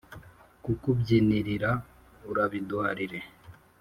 kukubyinirira urabiduharire